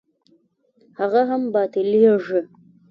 هغه هم باطلېږي.